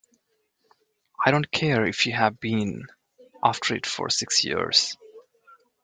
I don't care if you've been after it for six years!